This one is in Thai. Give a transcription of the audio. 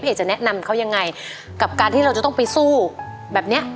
เอกจะแนะนำเขายังไงกับการที่เราจะต้องไปสู้แบบเนี้ย